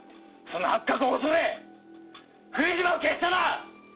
その発覚を恐れ冬島を消したな！